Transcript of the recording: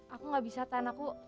aku gak bisa tahan aku